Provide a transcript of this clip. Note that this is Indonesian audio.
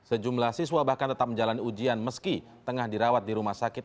sejumlah siswa bahkan tetap menjalani ujian meski tengah dirawat di rumah sakit